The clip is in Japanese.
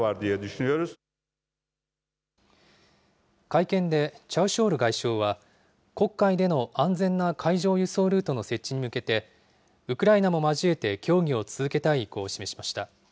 会見でチャウシュオール外相は、黒海での安全な海上輸送ルートの設置に向けて、ウクライナも交えて協議を続けたい意向を示しました。